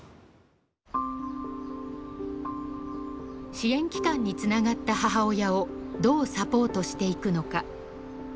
支援機関につながった母親をどうサポートしていくのか。